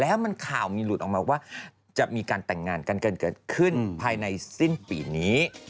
แล้วมันข่าวมีหลุดออกมาว่าจะมีการแต่งงานกันเกิดขึ้นภายในสิ้นปีนี้